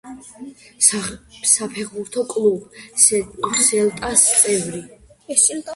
საფეხბურთო კლუბ „სელტას“ წევრი.